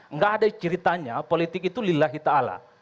nggak ada ceritanya politik itu lillahi ta'ala